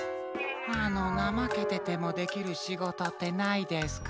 あのなまけててもできるしごとってないですか？